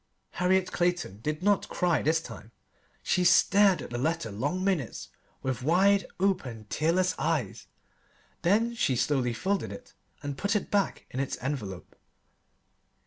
Harriet Clayton did not cry this time. She stared at the letter long minutes with wide open, tearless eyes, then she slowly folded it and put it back in its envelope.